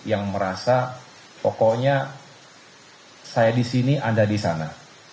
yang merasa pokoknya saya di sini ada di sana